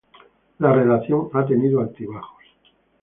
La relación ha tenido altibajos.